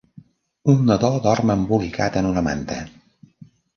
Un nadó dorm embolicat en una manta.